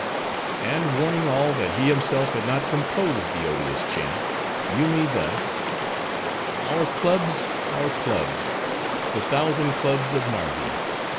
And warning all, that he himself had not composed the odious chant, Yoomy thus:— Our clubs! our clubs! The thousand clubs of Narvi!